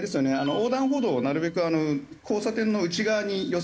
横断歩道をなるべく交差点の内側に寄せて。